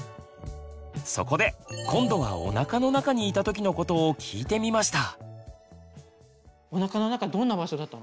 そこで今度はおなかの中にいた時のことを聞いてみました。